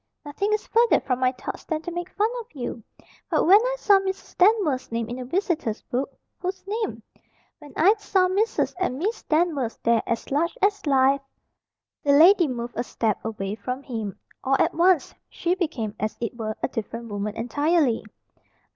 "Nothing is further from my thoughts than to make fun of you. But when I saw Mrs. Danvers' name in the visitors' book " "Whose name?" "When I saw Mrs. and Miss Danvers there as large as life " The lady moved a step away from him. All at once she became, as it were, a different woman entirely.